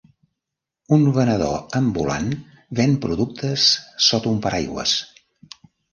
Un venedor ambulant ven productes sota un paraigües.